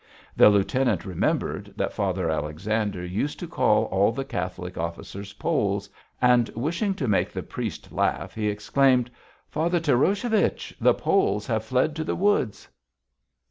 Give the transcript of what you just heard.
The lieutenant remembered that Father Alexander used to call all the Catholic officers Poles, and wishing to make the priest laugh, he exclaimed: "Father Taroshevich, the Poles have fled to the woods."